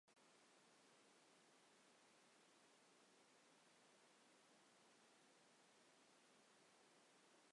Belê, mirov ji xwe dest pê bike, ev ne rêçik e otoban e.